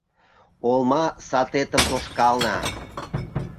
Олма сатетым тошкална.